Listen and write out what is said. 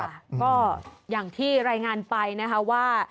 ก็อย่างที่รายงานไปนะคะว่า